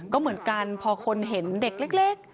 ก็เหมือนกันพอคนเห็นเด็กเล็ก